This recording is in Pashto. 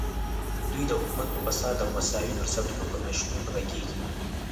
دوی د حکومت په فساد او د مساوي فرصتونو پر نشتون غږېږي.